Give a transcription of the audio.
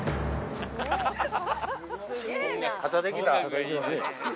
肩できた。